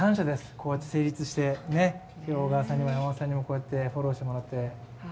こうやって成立して、今日は小川さんにも山本さんにもフォローしてもらって。